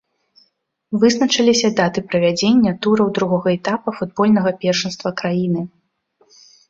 Вызначыліся даты правядзення тураў другога этапа футбольнага першынства краіны.